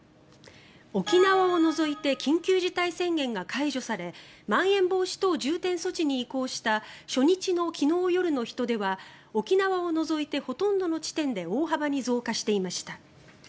沖縄を除いて緊急事態宣言が解除されまん延防止等重点措置に移行した初日の昨日夜の人出は沖縄を除いてほとんどの地点で大幅に増加していました。